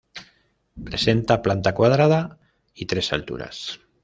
Presenta planta cuadrada y tres alturas.